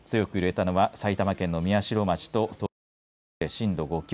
強く揺れたのは埼玉県の宮代町と東京の足立区で震度５強。